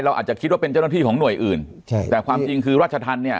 อาจจะคิดว่าเป็นเจ้าหน้าที่ของหน่วยอื่นใช่แต่ความจริงคือราชธรรมเนี่ย